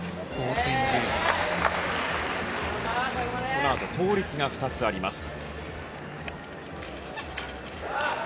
このあと倒立が２つあります。